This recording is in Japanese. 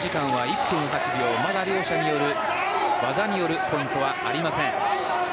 まだ両者による技によるポイントはありません。